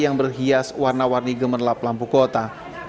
yang berhias warna warni gemerlap lampu kota